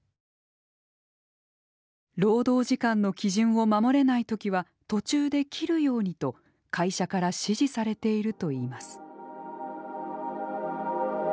労働時間の基準を守れない時は途中で切るようにと会社から指示されているといいます。